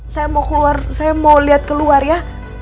saya mau keluar saya mau lihat keluar ya